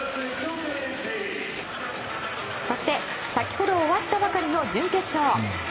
そして、先ほど終わったばかりの準決勝。